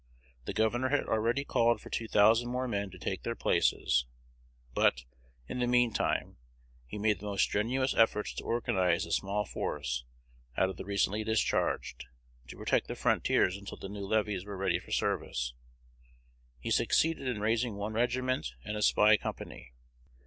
The governor had already called for two thousand more men to take their places; but, in the mean time, he made the most strenuous efforts to organize a small force out of the recently discharged, to protect the frontiers until the new levies were ready for service. He succeeded in raising one regiment and a spy company.